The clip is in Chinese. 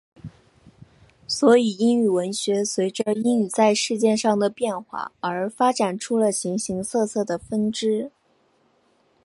所以英语文学随着英语在世界上的变化而发展出了形形色色的分支。